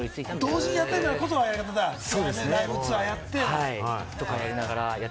同時にやってるからこそなんだ、ライブツアーとかあって。